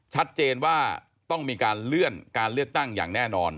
ชัดเจนว่าต้องมีการเลื่อนการเลือกตั้งอย่างแน่นอน